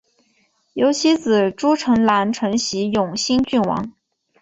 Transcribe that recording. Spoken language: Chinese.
由其子朱诚澜承袭永兴郡王。